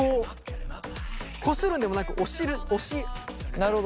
なるほど。